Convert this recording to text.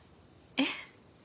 えっ？